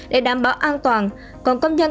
để đảm bảo an toàn còn công dân